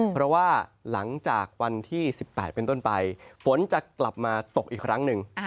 เพราะว่าหลังจากวันที่๑๘เป็นต้นไปฝนจะกลับมาตกอีกครั้งหนึ่ง